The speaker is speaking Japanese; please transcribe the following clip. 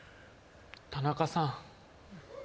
田中さん。